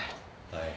はい。